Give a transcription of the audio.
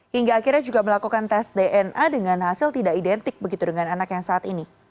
hingga akhirnya juga melakukan tes dna dengan hasil tidak identik begitu dengan anak yang saat ini